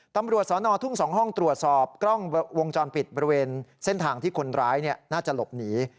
ตำรวจสอนอทุ่ง๒ห้องตรวจสอบกล้องวงจรปิดบริเวณเส้นทางที่คนร้ายน่าจะหลบหนี